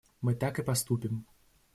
Мы так и поступим.